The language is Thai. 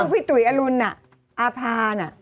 อพี่ตุ๋ยอรุณน่ะอ้าพะน่ะ